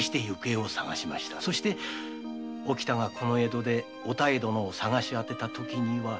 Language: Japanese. そして沖田がこの江戸でお妙殿を捜し当てたときには。